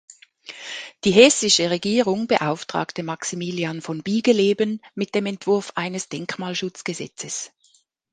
Die hessische Regierung beauftragte Maximilian von Biegeleben mit dem Entwurf eines Denkmalschutzgesetzes.